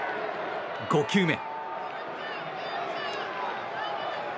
５球目。